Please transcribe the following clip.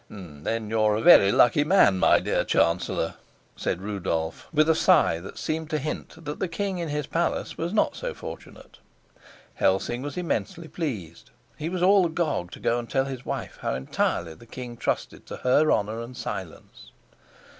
"Then you're a very lucky man, my dear chancellor," said Rudolf, with a sigh which seemed to hint that the king in his palace was not so fortunate. Helsing was immensely pleased. He was all agog to go and tell his wife how entirely the king trusted to her honor and silence.